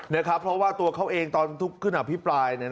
เนี่ยครับเพราะว่าตัวเขาเองตอนทุกขึ้นอภิปราย